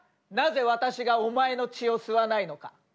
なぜ私がお前の血を吸わないのか。